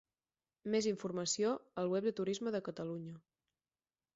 Més informació al web de Turisme de Catalunya.